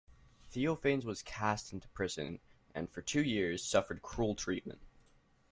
Theophanes was cast into prison and for two years suffered cruel treatment.